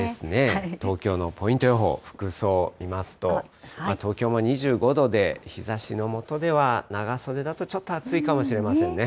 東京のポイント予報、服装見ますと、東京も２５度で、日ざしのもとでは、長袖だとちょっと暑いかもしれませんね。